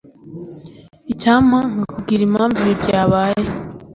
Icyampa nkakubwira impamvu ibi byabaye.